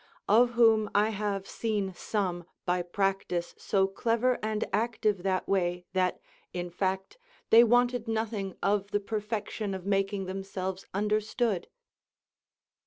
Of whom I have seen some, by practice, so clever and active that way that, in fact, they wanted nothing of the perfection of making themselves understood.